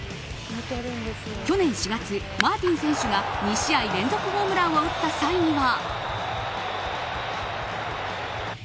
去年４月、マーティン選手が２試合連続ホームランを打った際には。